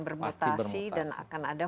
bermutasi dan akan ada